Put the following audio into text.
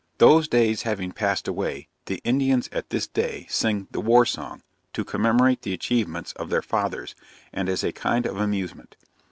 Those days having passed away, the Indians at this day sing the 'war song,' to commemorate the achievements of their fathers, and as a kind of amusement.